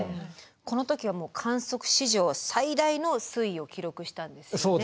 この時は観測史上最大の水位を記録したんですよね。